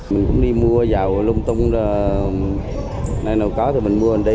mình cũng đi mua dầu lung tung nơi nào có thì mình mua lên đây